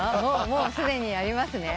もうすでにありますね？